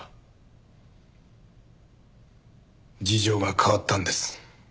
事情が変わったんです。